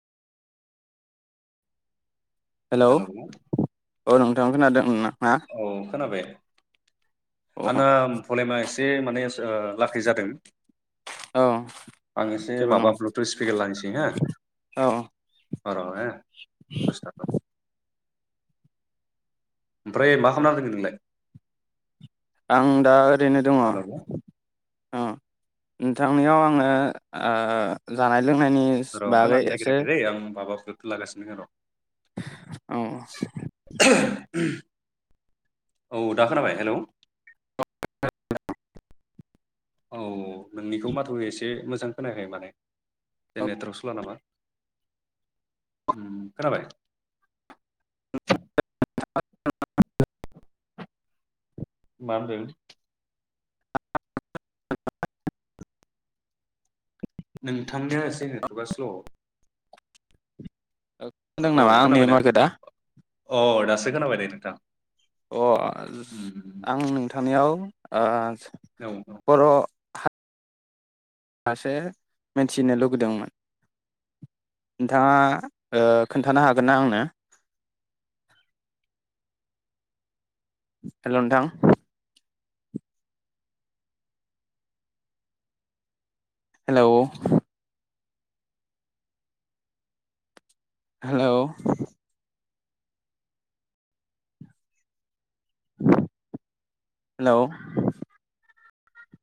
Hello औ नोंथां खोनादों अनला औ खोनाबाय आंना प्रलेमा एसे जे माने ओ लाखै जादों औ आं एसे जेबो माबा नङा ब्लुथुथ स्पिकार लानोसै हो औ [unintelligible] दसे थाथ ओमफ्राय मा खालामना दोङो नोंलाय आं दा ओरैनो दङ हेलौ ओ नोंथांनियाव आङो ओ लोंनायनिस र' बागै खोनानो एसे नागिराखै दै आं माबा लागासिनो र' औ [unintelligible] औ दा खोनाबाय हेलौ औ नोंनिखौ माथो एसे मोजां खोनायाखै माने [unintelligible] खोनाबाय [unintelligible] मा होनदों [unintelligible] नोंथांनिया एसे नेटवर्का स्ल। खोनादों औ नामा आंनि खोनाबायना माथोखौ दा अ दासो खोनाबाय दे नोंथां अ उम आं नोंथांनियाव आ औ बर' फारसे मिथिनो लुगैदोंमोन। नोंथाङा खोन्थानो ओ हागोन ना आंनो? हेलौ नोंथां। Hello hello hello